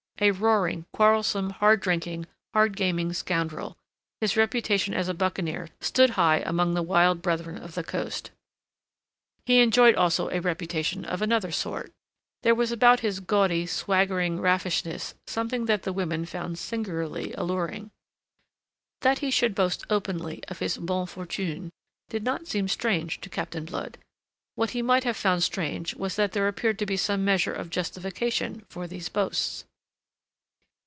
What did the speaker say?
A roaring, quarrelsome, hard drinking, hard gaming scoundrel, his reputation as a buccaneer stood high among the wild Brethren of the Coast. He enjoyed also a reputation of another sort. There was about his gaudy, swaggering raffishness something that the women found singularly alluring. That he should boast openly of his bonnes fortunes did not seem strange to Captain Blood; what he might have found strange was that there appeared to be some measure of justification for these boasts.